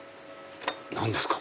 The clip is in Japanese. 何ですか？